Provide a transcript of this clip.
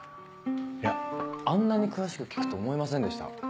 いやあんなに詳しく聞くと思いませんでした。